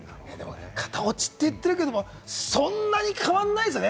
型落ちっていってるけれども、そんなに変わんないですよね？